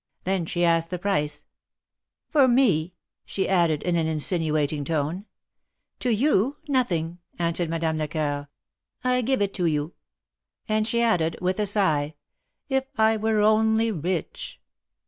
Then she asked the price. ''For me?" she added, in an insinuating tone. "To you, nothing," answered Madame Lecoeur. "I give it to you," and she added, with a sigh :" If I were only rich